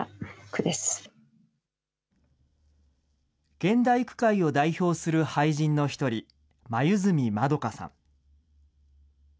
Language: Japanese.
現代句界を代表する俳人の一人、黛まどかさん。